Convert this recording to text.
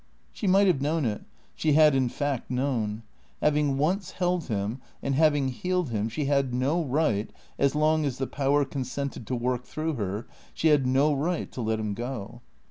She might have known it. She had in fact known. Having once held him, and having healed him, she had no right as long as the Power consented to work through her she had no right to let him go.